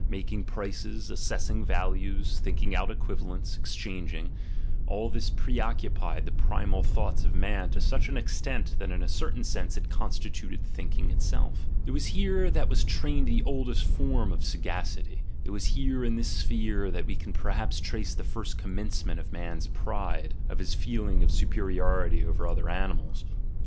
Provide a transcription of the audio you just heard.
Making prices, assessing values, thinking out equivalents, exchanging— all this preoccupied the primal thoughts of man to such an extent that in a certain sense it constituted thinking itself: it was here that was trained the oldest form of sagacity, it was here m this 58 THE GENEALOGY OF MORALS sphere that we can perhaps trace the first commencement of man's pride, of his feeling of superiority over other ani mals.